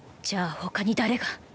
じゃあ他に誰が？